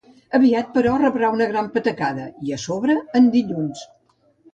Aviat, però, rebrà una gran patacada i, a sobre, en dilluns.